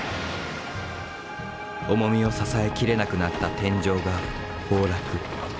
重みを支えきれなくなった天井が崩落。